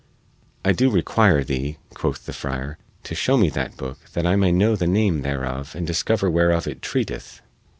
"I do require thee," quoth the friar, "to shew me that booke that I may know the name thereof and discover whereof it treateth."